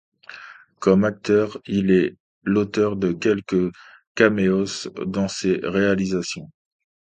Comme acteur, il est l'auteur de quelques caméos dans ces réalisations.